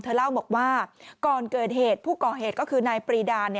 เล่าบอกว่าก่อนเกิดเหตุผู้ก่อเหตุก็คือนายปรีดา